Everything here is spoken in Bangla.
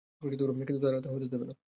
কিন্তু তারা তা হতে দেবে না।